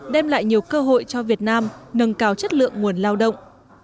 đem lại nhiều cơ hội cho việt nam nâng cao chất lượng nguồn lao động